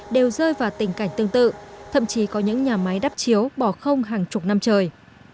đều rơi vào tình cảnh tương tự thậm chí có những nhà máy đắp chiếu bỏ không hàng chục năm trời